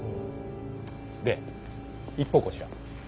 で一方こちら。